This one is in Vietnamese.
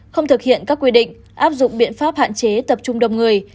không thực hiện các quy định áp dụng biện pháp hạn chế tập trung đông người